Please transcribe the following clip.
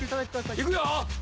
いくよ。